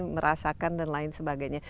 merasakan dan lain sebagainya